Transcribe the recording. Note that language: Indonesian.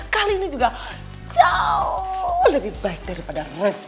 kali ini juga jauh lebih baik daripada